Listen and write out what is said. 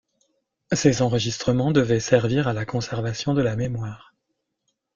Ces enregistrements devaient servir à la conservation de la mémoire.